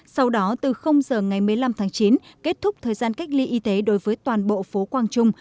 sau đó từ giờ ngày một mươi năm tháng chín kết thúc thời gian cách ly y tế đối với toàn bộ phố quang trung